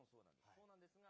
そうなんですね。